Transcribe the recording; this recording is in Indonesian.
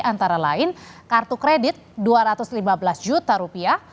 antara lain kartu kredit dua ratus lima belas juta rupiah